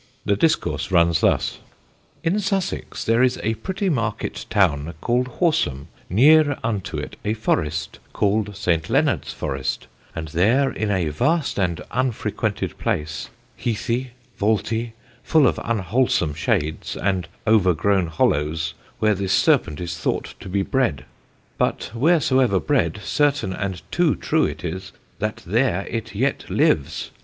_ The discourse runs thus: "In Sussex, there is a pretty market towne, called Horsam, neare unto it a forrest, called St. Leonard's Forrest, and there, in a vast and unfrequented place, heathie, vaultie, full of unwholesome shades, and over growne hollowes, where this serpent is thought to be bred; but, wheresoever bred, certaine and too true it is, that there it yet lives.